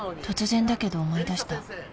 突然だけど思い出した